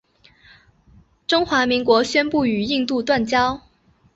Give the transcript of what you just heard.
中华民国宣布与印度断交。